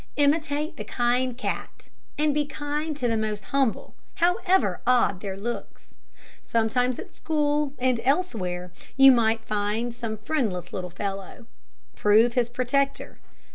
Imitate the kind cat, and be kind to the most humble, however odd their looks. Sometimes at school and elsewhere you may find some friendless little fellow. Prove his protector.